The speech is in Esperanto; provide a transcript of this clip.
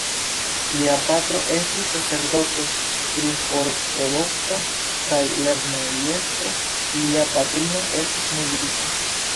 Lia patro estis sacerdoto rus-ortodoksa kaj lernejestro; lia patrino estis muzikisto.